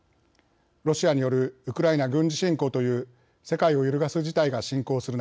ロシアによるウクライナ軍事侵攻という世界を揺るがす事態が進行する